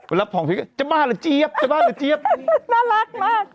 เวลาผ่องก็จะบ้าหรือเจี๊ยบจะบ้าหรือเจี๊ยบ๊น่ารักมาก